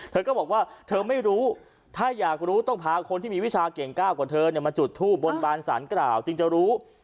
เธอก็บอกว่าเธอไม่รู้ถ้าอยากรู้ต้องพาคนที่มีวิชาเก่งก้าวกว่าเธอมาจุดทูบบนบานสารกล่าวจึงจะรู้